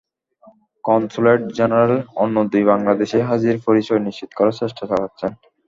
Consulate general অন্য দুই বাংলাদেশি হাজির পরিচয় নিশ্চিত করার চেষ্টা চালাচ্ছেন।